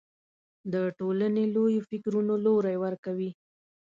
د ټولنې لویو فکرونو لوری ورکوي